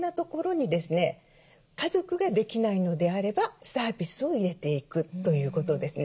家族ができないのであればサービスを入れていくということですね。